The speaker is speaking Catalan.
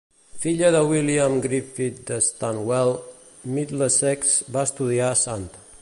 Filla de William Griffith de Stanwell, Middlesex, va estudiar a Sant.